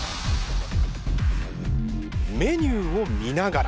メニューを見ながら。